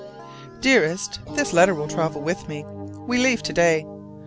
Dearest: This letter will travel with me: we leave to day.